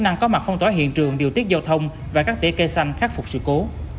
năng có mặt phong tỏa hiện trường điều tiết giao thông và các tỉa cây xanh khắc phục sự cố